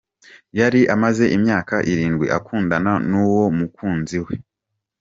Yari amaze imyaka irindwi akundana n'uwo mukunzi we.